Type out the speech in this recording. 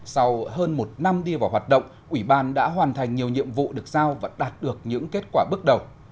sau hơn một năm đi vào hoạt động ủy ban đã hoàn thành nhiều nhiệm vụ được giao và đạt được những kết quả bước đầu